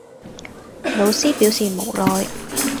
老師表示無奈